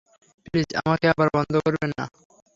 Please আমাকে আবার বন্ধ করবেন না।